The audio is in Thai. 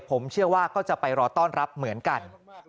ผมเชื่อว่าก็จะไปรอต้อนรับเหมือนกัน